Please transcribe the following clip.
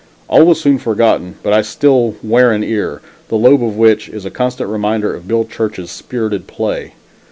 All was soon forgotten, but I still "wear an ear," the lobe of which is a constant reminder of Bill Church's spirited play.